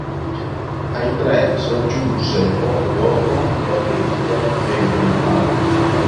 Ai tre si aggiunse poco dopo il batterista Dewey Martin.